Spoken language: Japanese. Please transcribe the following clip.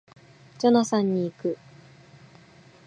ジョナサンに行く